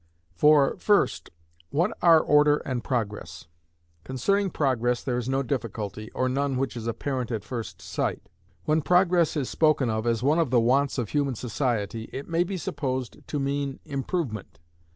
For, first, what are Order and Progress? Concerning Progress there is no difficulty, or none which is apparent at first sight. When Progress is spoken of as one of the wants of human society, it may be supposed to mean Improvement.